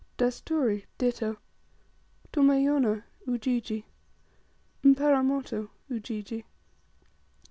Dasturi, ditto. 41. Tumayona, Ujiji. 42. Mparamoto, Ujiji.